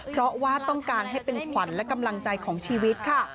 เพราะว่าต้องการให้เป็นขวัญและกำลังใจของชีวิตค่ะ